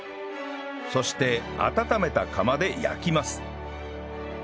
そして温めた窯で焼きます